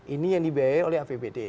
ini yang dibiayai oleh apbd